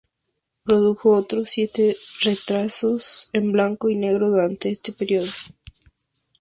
Produjo otros siete retratos en blanco y negro durante este periodo.